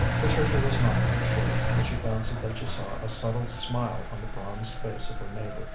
Patricia was not quite sure, but she fancied that she saw a subtle smile on the bronzed face of her neighbour.